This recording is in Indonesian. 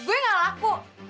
gue gak laku